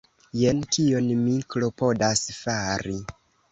Jen kion mi klopodas fari.